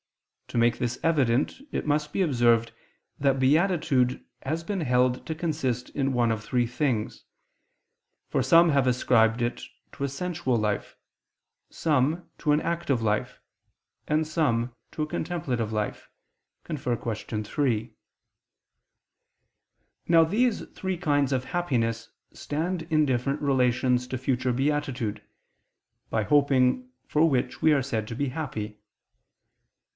To make this evident it must be observed that beatitude has been held to consist in one of three things: for some have ascribed it to a sensual life, some, to an active life, and some, to a contemplative life [*See Q. 3]. Now these three kinds of happiness stand in different relations to future beatitude, by hoping for which we are said to be happy.